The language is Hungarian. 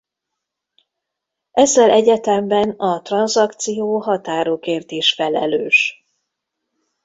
Ezzel egyetemben a tranzakció határokért is felelős.